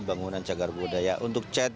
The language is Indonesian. bangunan cagar budaya untuk chat